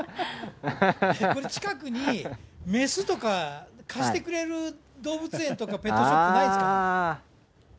近くに雌とか貸してくれる動物園とか、ペットショップないですか？